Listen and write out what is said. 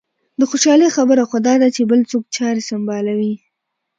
د خوشالۍ خبره خو دا ده چې بل څوک چارې سنبالوي.